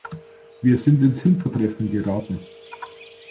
Wir sind ins Hintertreffen geraten.